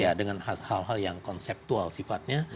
ya dengan hal hal yang konseptual sifatnya